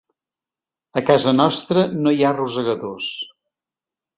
A casa nostra no hi ha rosegadors.